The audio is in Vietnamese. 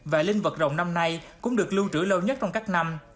và linh vật rồng năm nay cũng được lưu trữ lâu nhất trong các năm